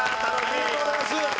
ありがとうございます！